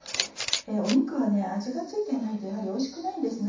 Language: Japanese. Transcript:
肉は味が付いてないとやはりおいしくないんです。